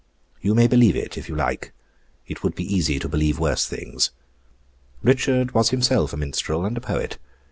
You may believe it, if you like; it would be easy to believe worse things. Richard was himself a Minstrel and a Poet.